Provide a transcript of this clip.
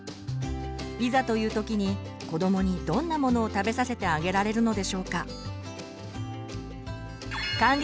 いざという時に子どもにどんなものを食べさせてあげられるのでしょうか？